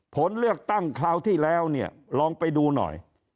ผลเลือกตั้งคราวที่แล้วเนี่ยลองไปดูหน่อย